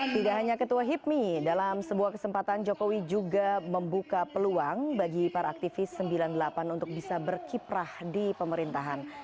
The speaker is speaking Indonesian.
tidak hanya ketua hipmi dalam sebuah kesempatan jokowi juga membuka peluang bagi para aktivis sembilan puluh delapan untuk bisa berkiprah di pemerintahan